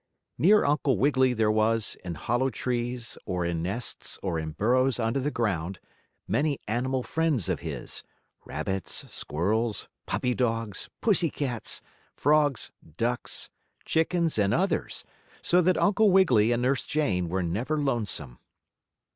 Near Uncle Wiggily there were, in hollow trees, or in nests or in burrows under the ground, many animal friends of his rabbits, squirrels, puppy dogs, pussy cats, frogs, ducks, chickens and others, so that Uncle Wiggily and Nurse Jane were never lonesome.